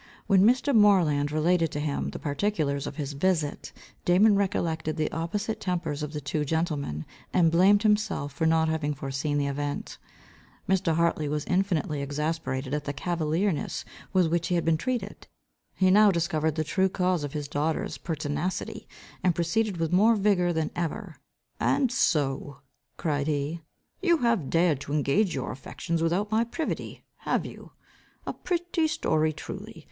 When Mr. Moreland related to him the particulars of his visit, Damon recollected the opposite tempers of the two gentlemen, and blamed himself for not having foreseen the event. Mr. Hartley was infinitely exasperated at the cavalierness with which he had been treated. He now discovered the true cause of his daughter's pertinacity, and proceeded with more vigour than ever. "And so," cried he, "you have dared to engage your affections without my privity, have you? A pretty story truly.